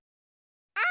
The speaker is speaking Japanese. あ。